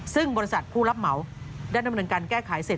ซึ่งบริษัทผู้รับเหมาได้ดำเนินการแก้ไขเสร็จ